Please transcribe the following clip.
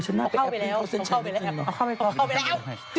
เอาเข้าไปแล้ว